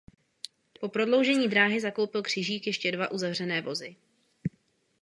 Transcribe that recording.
Po prodloužení dráhy zakoupil Křižík ještě dva uzavřené vozy.